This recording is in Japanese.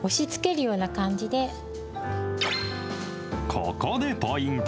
ここでポイント。